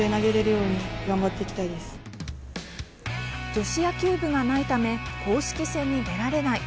女子野球部がないため公式戦に出られない。